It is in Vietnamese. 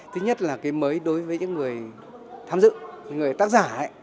thứ nhất là cái mới đối với những người tham dự người tác giả